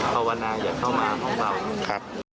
ภาวนาอย่าเข้ามาห้องเบา